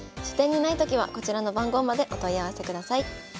書店にないときはこちらの番号までお問い合わせください。